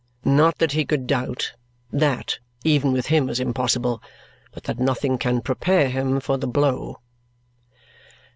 Not that he could doubt (that, even with him, is impossible), but that nothing can prepare him for the blow."